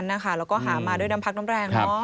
ทั้งนั้นนะคะเราก็หามาด้วยดำพักน้ำแรง